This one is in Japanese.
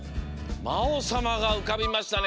まおさまがうかびましたね。